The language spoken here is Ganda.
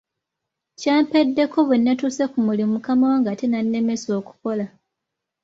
Kyampeddeko bwe nnatuuse ku mulimu mukama wange ate n’annemesa okukola.